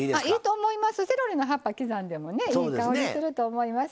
セロリの葉っぱ刻んでもねいい香りすると思います。